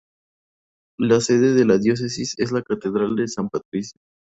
La sede de la diócesis es la Catedral de San Patricio.